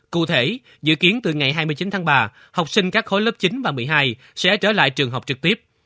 cụ thể dự kiến từ ngày hai mươi chín tháng ba học sinh các khối lớp chín và một mươi hai sẽ trở lại trường học trực tiếp